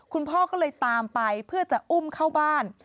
คุณพ่อก็เลยตามไปเพื่อจะอุ้มเข้าบ้าน